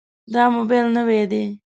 دا موبایل نوی دی.